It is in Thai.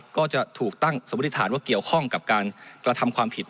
ก็จะถูกตั้งสมมติฐานว่าเกี่ยวข้องกับการกระทำความผิด